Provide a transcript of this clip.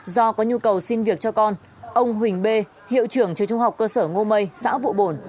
do có nhu cầu xin việc cho con ông huỳnh b hiệu trưởng trường trung học cơ sở ngô mây xã vụ bổn